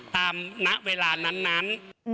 ตามเวลานั้น